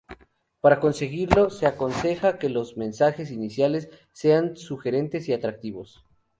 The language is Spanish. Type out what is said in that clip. Para conseguirlo, se aconseja que los mensajes iniciales sean sugerentes y atractivos.